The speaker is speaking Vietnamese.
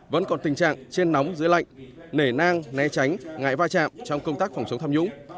vẫn còn tình trạng trên nóng dưới lạnh nể nang né tránh ngại va chạm trong công tác phòng chống tham nhũng